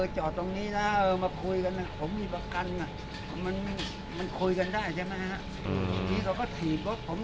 จุดเกิดเหตุเริ่มต้นตอนแรกฟีเกล่วตรงไม่ที่เรียบด้วย